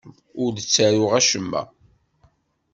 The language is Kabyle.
Ur d-ttaruɣ acemma.